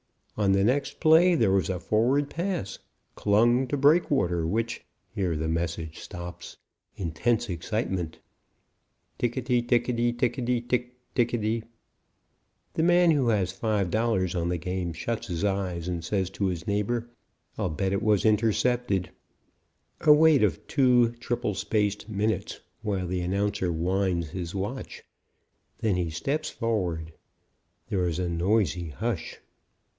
On the next play there was a forward pass, Klung to Breakwater, which " Here the message stops. Intense excitement. "Tickity tickity tick tickity." The man who has $5 on the game shuts his eyes and says to his neighbor: "I'll bet it was intercepted." A wait of two triple space minutes while the announcer winds his watch. Then he steps forward. There is a noisy hush.